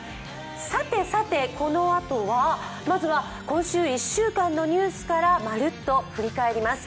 このあとは、今週１週間のニュースからまるっと振り返ります。